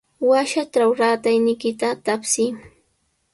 Washatraw ratayniykita tapsiy.